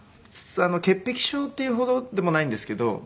潔癖症というほどでもないんですけど。